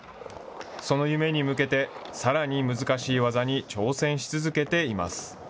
その夢に向けて、さらに難しい技に挑戦し続けています。